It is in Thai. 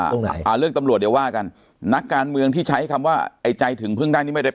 ตรงไหนอ่าเรื่องตำรวจเดี๋ยวว่ากันนักการเมืองที่ใช้คำว่าไอ้ใจถึงพึ่งได้นี่ไม่ได้